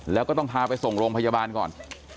แล้วก็ต้องพาไปส่งโรงพยาบาลก่อน